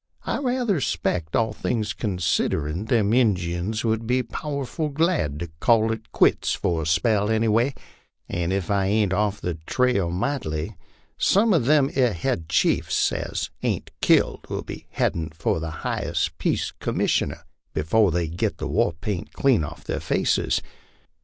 I rather s'pect, all things considerin', them Injuns would be powerful glad to call it quits for a spell any way, an' if I ain't off the trail mightily, some of them 'ere head chiefs as ain't killed will be headin' for the nighest Peace Commis sioner before they git the war paint clean off their faces.